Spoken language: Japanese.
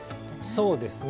そうですね。